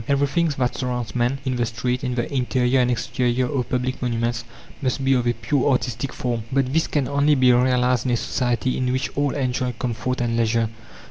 Everything that surrounds man, in the street, in the interior and exterior of public monuments, must be of a pure artistic form. But this can only be realized in a society in which all enjoy comfort and leisure.